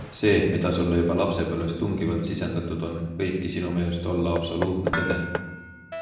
See, mida sulle juba lapsepõlves tungivalt sisendatud on, võibki sinu meelest olla absoluutne tõde.